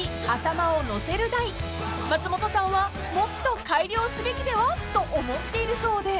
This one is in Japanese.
［松本さんはもっと改良すべきではと思っているそうで］